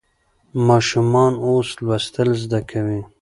ماشومان اوس لوستل زده کوي.